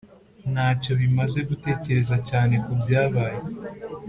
Ntacyo bimaze gutekereza cyane kubyabaye